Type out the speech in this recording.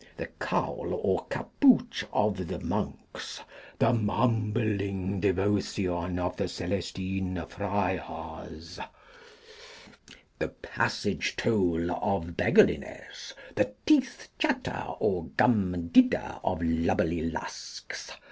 The Cowl or Capouch of the Monks. The Mumbling Devotion of the Celestine Friars. The Passage toll of Beggarliness. The Teeth chatter or Gum didder of Lubberly Lusks.